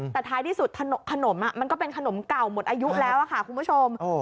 แต่ท้ายที่สุดขนมมันก็เป็นขนมเก่าหมดอายุแล้วค่ะคุณผู้ชม